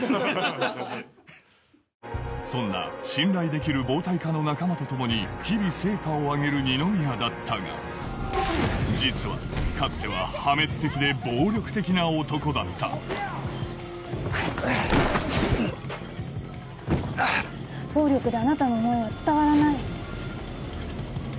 そんな信頼できる暴対課の仲間とともに日々成果を上げる二宮だったが実はかつては「暴力であなたの思いは伝わらない」